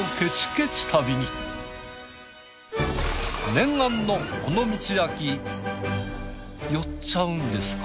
念願の尾道焼き寄っちゃうんですか？